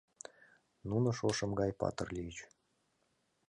Нуно шошым гай патыр лийыч.